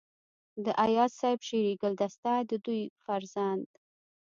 د اياز صيب شعري ګلدسته دَ دوي فرزند